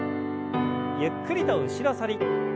ゆっくりと後ろ反り。